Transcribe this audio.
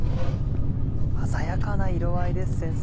鮮やかな色合いです先生。